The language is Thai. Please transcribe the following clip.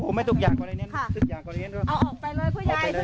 ต้องทำอย่างตรงนี้ค่ะเอาออกไปเลยผู้ใหญ่ผู้ใหญ่